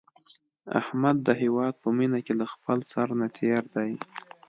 احمد د هیواد په مینه کې له خپل سر نه تېر دی.